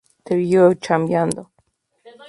Young murió en Los Ángeles, California.